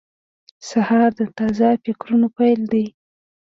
سهار د تازه فکرونو پیل دی.